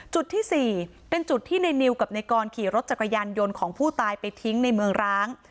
จุดที่๔เป็นจุดที่ในนิวกับในกรขี่รถจักรยานยนต์ของผู้ตายไปทิ้งในเมืองร้าง